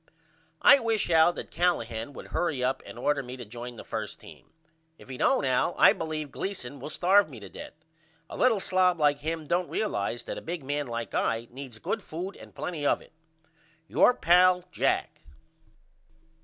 I wish Al that Callahan would hurry up and order me to join the 1st team. If he don't Al I believe Gleason will starve me to death. A little slob like him don't realize that a big man like I needs good food and plenty of it. Your pal, JACK.